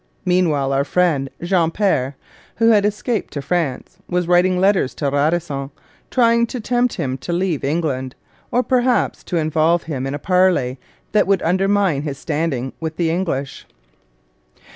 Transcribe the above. Meanwhile our friend Jean Péré, who had escaped to France, was writing letters to Radisson, trying to tempt him to leave England, or perhaps to involve him in a parley that would undermine his standing with the English.